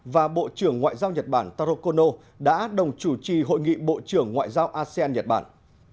và bộ trưởng ngoại giao nhật bản taro kono đã đồng chủ trì hội nghị bộ trưởng ngoại giao asean nhật bản